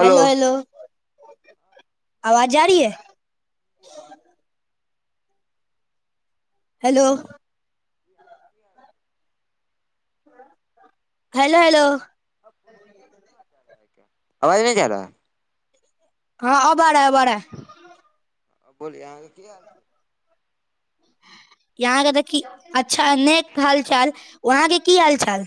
Hello hello आवाज जा रही है हेलो हेलो हेलो आवाज नहि जा रहा हँ अब आ रहा है अब आ रहा है बोलिय अहाँके की हाल छै यहाँके देखी अच्छा नेक हालचाल वहाँ के की हाल चाल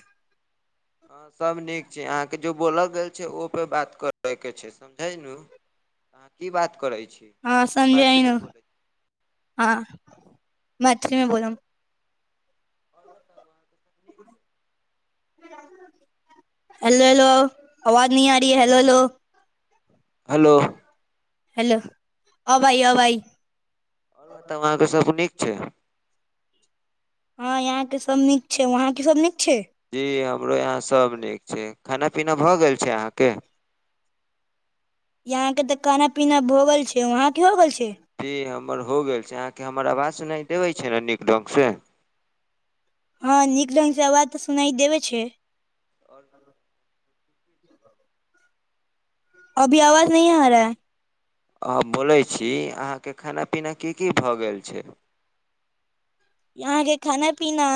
हँ सभ नीक छै अहाँके जो बोलल गेल छै ओपे बात करयके छै समझै नू ह की बात करै छी हाँ मैथिली मे समझेनू बोलै छी हँ मैथिली मे बोलब आओर बताउ अहाँके सबनीक छै हेलो हेलो आवाज नि आ री हैलो हलो हेलो हेलो अब आइ अब आइ आओर बताउ अहाँके सभ नीक छै हँ यहााँ के सब नीक छै वहां के सब नीक छै जी हमरो यहाँ सभ नीक छै खाना पीना भऽ गेल छै अहाँके यहां के ते खाना पीना भ गेल छै वहा के हो गेल छै जी हम हमर हो गेल छै अहाँके हमर आवाज सुनाई देबै छै ने नीक ढ्ग से हँ नीक ढङ्ंग सँ आवाज तऽ सुनाइ देबे छै ऽ आओर बता [inaudible] अभी आवाज नहीं आ रहा हम बोलै छी अहाँके खाना पीना की की भऽ गेल छै यहाँके खाना पीना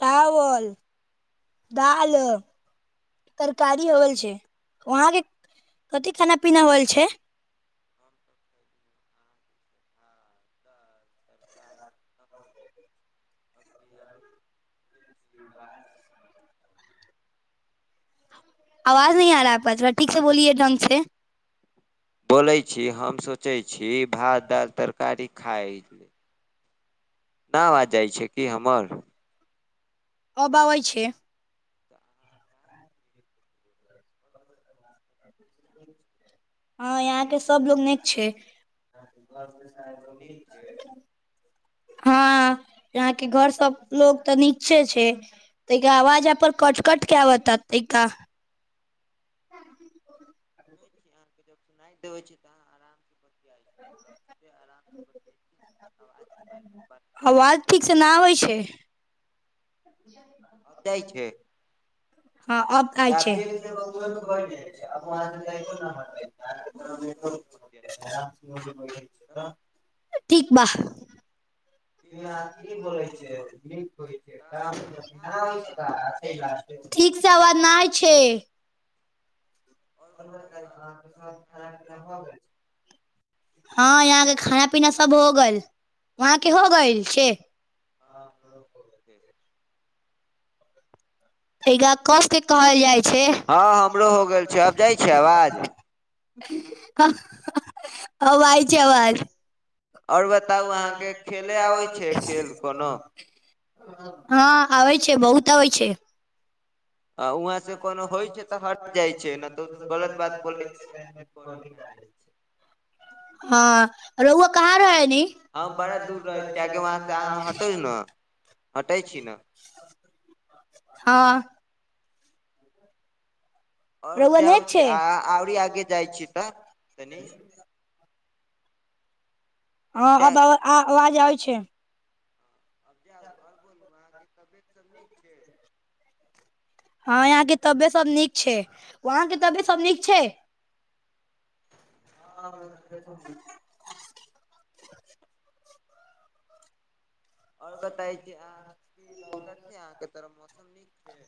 चावल दाल तरकारी हो गेल छै वहाँ के कथि खाना पीना होल छै हमसभ खयली आम के भात दाल तरकारी सभ खयली [unintelligible] बाहर [inaudible] [unintelligible] आवाज नी आ रहा है आपका थोरा ठीक से बोलिए ढ्ंग से बोलै छी हम सोचै छी भात दालि तरकारी खाइ ना आवाज जाइ छै कि हमर अब आवय छै नीक हँ यहाँके सभलोग नीक छै निक छै हँ यहाँ के घर सब लोग तऽ नीचे छै ता आवाज पर कट कट के आवता तेका सुनै छी अहाँके जब सुना देबै छी तऽ अहाँ आराम से बतियाइ छी आवाजके बारेमे बात [inaudible] कम बोलू आवाज ठीक से ना आबै छै हँ जाय छै हअ अब तऽ आइ आब छइ एक जगह घुमैमे बैठ जाइ छी आब वहाँ से तैको नहि हटबै ठीक बा फिर अहाँ की बोलै छै कि नीक होइ ऐसे छै काम ना होइ छै, काम से खाय। ठीक से आवाज ना आइ छै [inaudible] और कहलउ बताउ है अहाँ अहाँके खाना पिना हँ भ गेल छै हँ यहााँ के खाना पीना सब होगइल वहाँ के हो गइल छै ह एगा कसके कहल जाइ छै हँ हमरो हो गेल छै आब जाइ छै आवाज ह ह अब आइ छै आवाज आओर बताउ अहाँके खेले आबैत छै खेल कोनो हँ आबै छै बहुत आबै छै वहाँ से कोनो होइ छै तऽ हट जाइ छै नहि तऽ ओ गलत बात बोलै छै तऽ [unintelligible] [inaudible] हँ रहुआ कहा रहय हम बड़ा दूर रहै छी आगे वहाँ से अहाँ हटै ने हटै छी ने [unintelligible] हँ आओर रौआ जाउ नीक छै आ आरु आरी आगे जाइ छीयै तऽ तनी हँ तनी जा आब आ आवाज आबै छै आब जाउ आओर बोलू अहाँके तबियत सब नीक छै हँ यहां के तबियत सब नीक छै वहां के तबियत सब नीक छै हँ आ हमर तबियत सम अर बताय छै आ की रौद छै आ तरफ मौसम नीक छै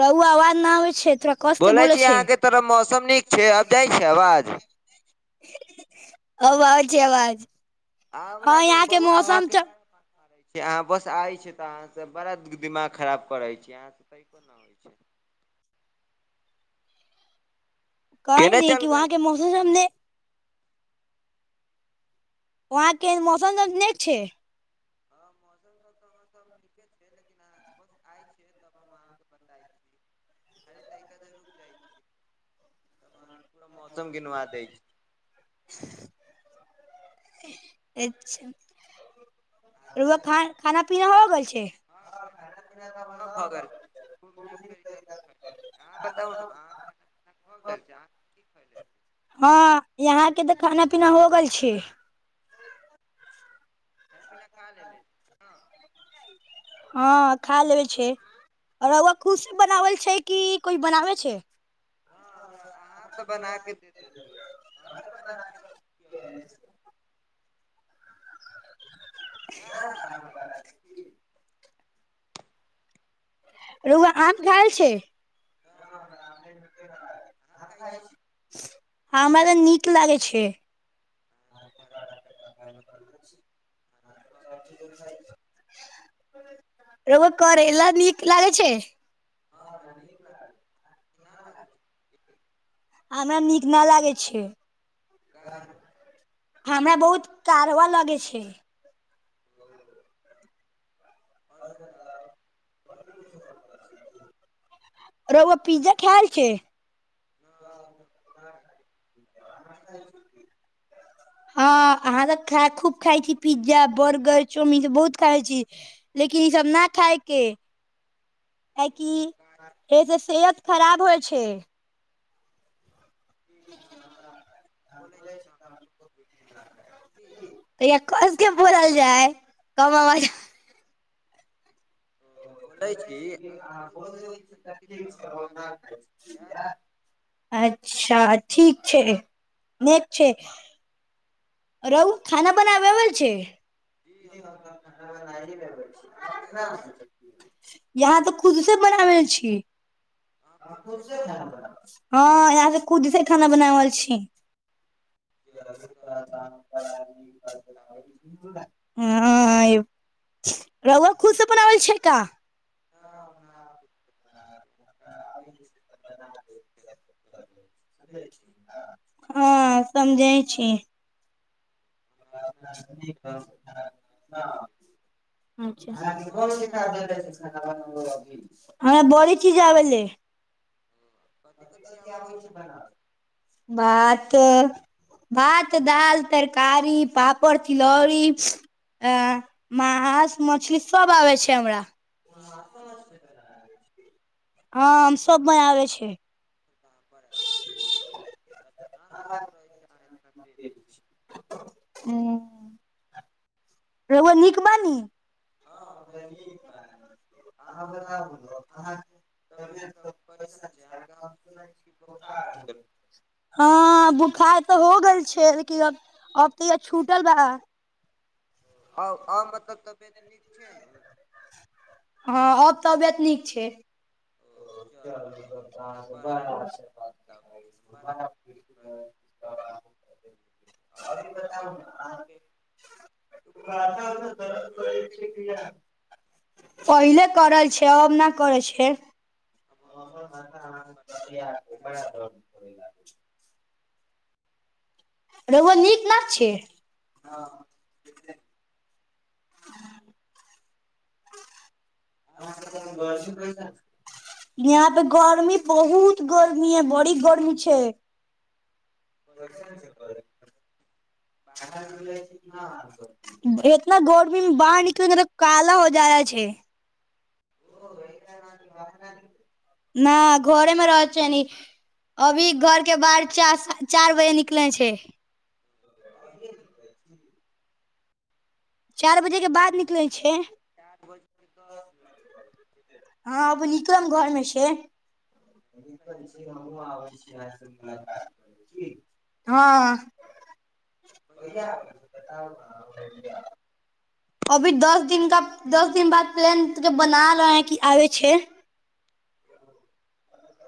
कहु आवाज ना होइ छै थोड़ा कस के बोलै बोले छी छै अहाँ के तरफ मौसम नीक छै आब जाइ छै आवाज अबय छै अवाज आ हमरा बौआ अहाँ के से अहाँ बस आइ छै तऽ अहाँ सब बड़ा दिमाग खराब करै छी अहाँ सँ तैको नहि होइ छै [inaudible] केने कहै चल छि गेल वहाँ के मौसम सब ने वहाँ के मौसम तने छै हँ मौसम सब तऽ नीके छै लेकिन ब आय छी तब हम अहाँ के बताय छी हर तरीका से रुक जाइ छै तब अहाँ के पूरा मौसम गिनवा दय छि अच्छा अच्छा व ख खाना पीना भ गेल छै हँ खाना पीना तऽ सब भऽ गेल छै खूब नीक तरीकासँ खैले छी अहाँ बताउ ने अहां खाना पीना भऽ गेल छी अहाँ की की खैले छी हँ यहाँ के तऽ खाना पीना हो गेल छै खाना पीना खा लेले छी हँ हँ खा लेबै छै आ रौआ खुद स बनाबल छै कि कोइ बनाबै छै हँ हमरा अहां तऽ बना के दे देलिएई अह तऽ बना के नहि [unintelligible] रउआ आम खाय छै हमरा आम अहाँ खाइ छी [unintelligible] हमरा नीक लागैया छै हँ त बरा सब चीज खाइ छी [unintelligible] रउआ करेला नीक लागे छै हँ मै नीक लागे छै हमरा नीक न लागै छै काहे हमरा बहुत कारवा लगय छै आओर बताउ बड़ी किछ हो रौवा पिज्जा खाय छै न अभी त नै खाई छै आ [inaudible] हँ अहाँ त खा खूब खाइ छी पिज्जा बर्गर चाउमीन बहुत खाइ छी लेकिन सब न खााय के [inaudible] काहे कि काहे एहि सँ सेहत खराब होइ छै ठीक छै बोले छि तहन कि कसके जा कम आवाज बोलै छी अहाँ बोल देबै छी तऽ ठीक छै अब हम ना खाइ यैह [unintelligible] अच्छा ठीक छै न छै रहु खाना बनाबे अबय छै जी हम तऽ खाना पका के लेब अहाँ ना [unintelligible] यहाँ तऽ खुद से बनाबय छी आहा खुद से खाना बनाबइ छी हँ यहाँ से खुदसँ खाना बनावल छी बनाबी आलू तऽ ना [unintelligible] हँ रउआ खुद से बनाबइल छै का ह [unintelligible] आबै छै करै [unintelligible] हँ समझय छी हमरा अपना हाथ से [unintelligible] खाना आबै छै। अहाँके कोन किताब देने ा ह बोल की जावेले हू कथी कथी आबय छै बनावल भात भात दाल तरकारी पापड़ तिलौड़ी अ मास मछली सब आबै छै हमरा मासो मछली हँम सब बनाबे छै [unintelligible] न लागत रहै [unintelligible] रउआ नीक बानी हम तऽ हँ निक नीक बा अहाँ ब अहाँ तबियत सब कैसन कइसन अहाँके हम छै सुनइ सुनै कि छी बोखार बुखार हो गेल रहे हँ बुखार त हो गेल छै अब तऽ य छूटल बा आ आ मतलब तबियत नीक छै ने हँ आब तबियत नीक छै ओ चल ब बड़ा आर्शिर्वाद तब भइल बड़ा खुशी भइल आओरी बता के छै पहिले करल छी से आब नै करै छै अहाँके तरफ [unintelligible] रउआ नीक ना छै गर्मी [unintelligible] गर्मी बहुत गर्मी ह बड़ी गर्मी छै पैसा नी चेक करे इतना गो ी बाहर निकल मब काला हो जा रहल छय न घरेमे रह छै ने अभी घर के बाहर चार चारि बजे निकलै छै आे नहि चारि बजेके बाद निकलैत छै चारि बज के दस मिनट हँ अब निक्रम घरमे से प छी हम कहिया आबै छै आहा से मुलाकात करय ठीक हँ कहिया आबै छी बताउ आहा ओहिये आउ अभी दस दिनका दस दिन बाद प्लान बना रहे हैं कि आबय छै [inaudible]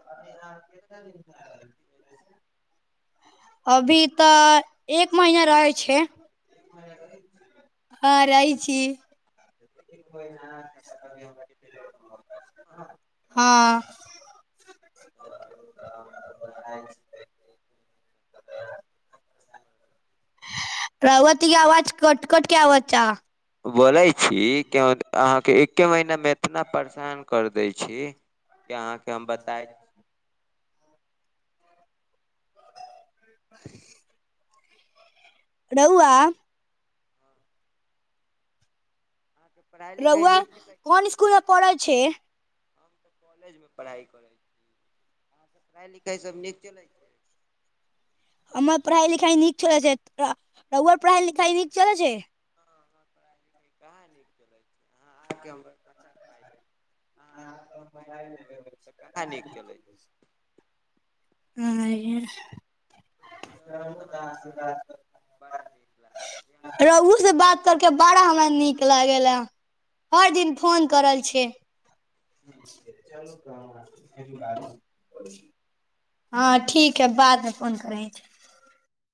आबै कटिहार केतना दिन पर आवल आईस अभी तऽ एक महीना रहै छै भ छी हँअ् [inaudible] प्रवती आवाज कट कट क आवाज छ अहाँ एके महीना मे एतना परेशान कर दैइ छी कि अहाँके हम बताय [inaudible] [inaudible] रौआ अहाँके पढ़ाइ लिखाइ रउआ नीक चलै कोन स्कूल मे पढ़ैइ छी कॉलेज में पढ़ाइ करैय छी हह तऽ पढ़ाइ लिखाइसभ नीक चलै छै हमर पढ़ाई लिखाइ नीक चल छै रउआ पढ़ाइ लिखाइ नीक चलैइ छैइ पढ़ाइ कहाँ नीक चलैत छै अहाँ आके हम अछा खाइ छी अहाँ आके हम इल मोबाइल ले लेबै तऽ कहाँ नीक चलै छै आंये चलू तऽ अहाँके बात बड़ा नीक लागै रउओ से बात करके बारा हमरा नीक लागेला हर दिन फोन करल छी छै [inaudible] हँ ठीक है बादमे फोन करैय छी